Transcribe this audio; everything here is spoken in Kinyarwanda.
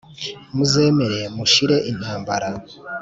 Muzemere mushire intambara